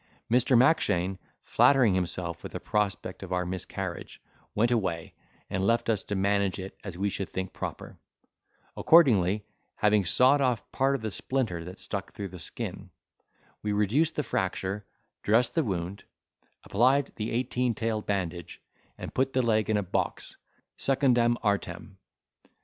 Mr. Mackshane, flattering himself with the prospect of our miscarriage, went away, and left us to manage it as we should think proper; accordingly, having sawed off part of the splinter that stuck through the skin, we reduced the fracture, dressed the wound, applied the eighteen tailed bandage, and put the leg in a box, secundam artem.